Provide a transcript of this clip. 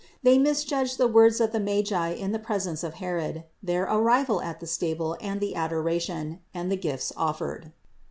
They misjudged the words of the Magi in the presence of Herod, their arrival at the stable and the adoration, and the gifts offered.